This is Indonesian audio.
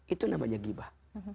itu namanya ribah